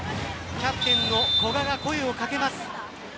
キャプテンの古賀が声を掛けます。